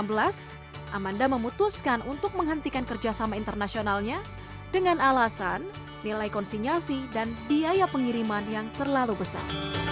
namun sayang sejak dua ribu enam belas amanda memutuskan untuk menghentikan kerjasama internasionalnya dengan alasan nilai konsinyasi dan biaya pengiriman yang terlalu besar